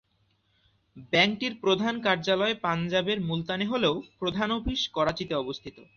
ব্যাংকটির প্রধান কার্যালয় পাঞ্জাবের মুলতানে হলেও প্রধান অফিস করাচিতে অবস্থিত।